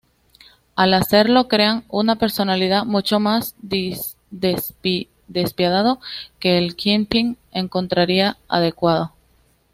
Al hacerlo, crean una personalidad mucho más despiadado que el Kingpin encontraría adecuado.